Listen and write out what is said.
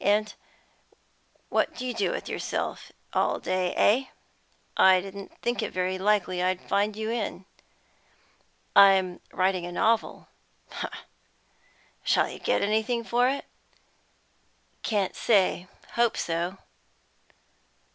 And what do you do with yourself all day, eh? I didn't think it very likely I should find you in." "I'm writing a novel." "H'm. Shall you get anything for it?" "Can't say. I hope so."